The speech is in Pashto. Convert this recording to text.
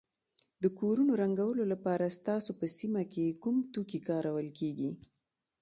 د کورونو رنګولو لپاره ستاسو په سیمه کې کوم توکي کارول کیږي.